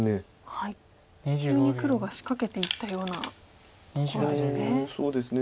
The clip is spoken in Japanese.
急に黒が仕掛けていったようなところですね。